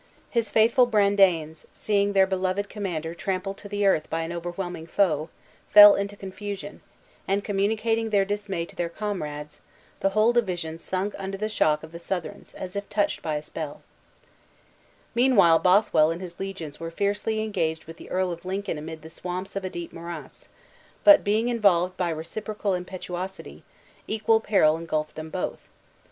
His faithful Brandanes, seeing their beloved commander trampled to the earth by an overwhelming foe, fell into confusion, and communicating their dismay to their comrades, the whole division sunk under the shock of the Southrons, as if touched by a spell. Brandanes was the distinguished appellation of the military followers of the chiefs of Bute. Meanwhile Bothwell and his legions were fiercely engaged with the Earl of Lincoln amid the swamps of a deep morass; but being involved by reciprocal impetuousity, equal peril engulfed them both.